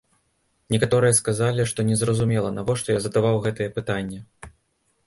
Некаторыя сказалі, што незразумела, навошта я задаваў гэтае пытанне.